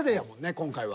今回は。